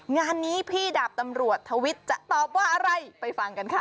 งานนี้พี่ดาบตำรวจทวิทย์จะตอบว่าอะไรไปฟังกันค่ะ